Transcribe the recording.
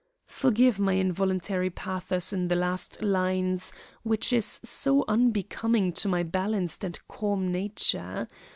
Forgive my involuntary pathos in the last lines, which is so unbecoming to my balanced and calm nature.